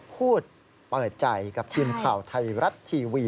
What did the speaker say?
พูดเปิดใจกับทีมข่าวไทยรัฐทีวี